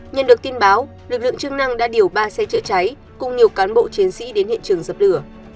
nhận được tin báo lực lượng chức năng đã điều ba xe chữa cháy cùng nhiều cán bộ chiến sĩ đến hiện trường dập lửa